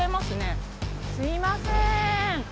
すいません。